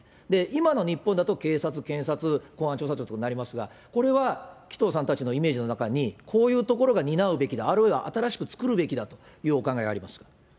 今の日本だと警察、検察、公安調査庁となりますが、これは紀藤さんたちのイメージの中に、こういうところが担うべきだ、あるいは新しく作るべきだというお考えありますか？